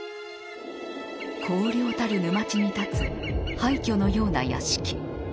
荒涼たる沼地に建つ廃墟のような屋敷。